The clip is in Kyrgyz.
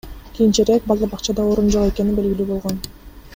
Кийинчерээк бала бакчада орун жок экени белгилүү болгон.